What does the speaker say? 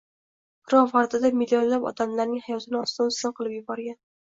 Pirovardida millionlab odamlarning hayotini ostin-ustin qilib yuborgan